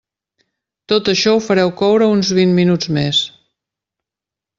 Tot això ho fareu coure uns vint minuts més.